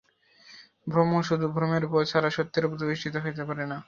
ভ্রম শুধু ভ্রমের উপর ছাড়া সত্যের উপর প্রতিষ্ঠিত হইতে পারে না।